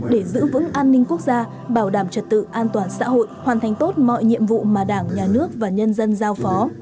để giữ vững an ninh quốc gia bảo đảm trật tự an toàn xã hội hoàn thành tốt mọi nhiệm vụ mà đảng nhà nước và nhân dân giao phó